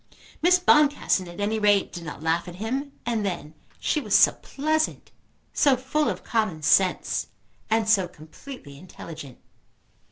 Miss Boncassen at any rate did not laugh at him. And then she was so pleasant, so full of common sense, and so completely intelligent!